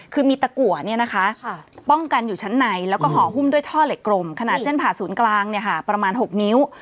คือมีตะกัวป้องกันอยู่ชั้นในแล้วก็ห่อหุ้มด้วยท่อเหล็กกลมขนาดเส้นผ่าศูนย์กลางประมาณ๖นิ้ว